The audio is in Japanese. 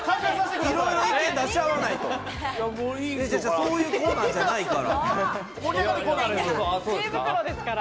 そういうコーナーじゃないか知恵袋ですから。